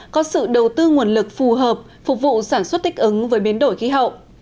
có sự đầu tư nguồn lực phù hợp phục vụ sản xuất thích ứng với biến đổi khí hậu